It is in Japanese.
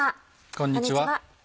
こんにちは。